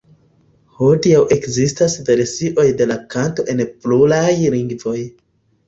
Hodiaŭ ekzistas versiojn de la kanto en pluraj lingvoj.